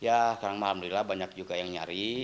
ya sekarang alhamdulillah banyak juga yang nyari